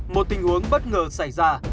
một tình huống bất ngờ xảy ra